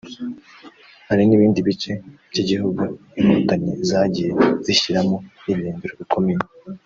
hari n’ibindi bice by’igihugu Inkotanyi zagiye zishyiramo ibirindiro bikomeye